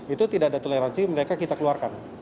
itu tidak ada toleransi mereka kita keluarkan